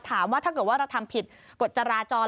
ถ้าเกิดว่าเราทำผิดกฎจราจร